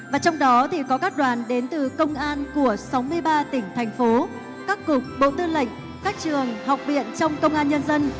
và trong đó thì có các đoàn đến từ công an của sáu mươi ba tỉnh thành phố các cục bộ tư lệnh các trường học viện trong công an nhân dân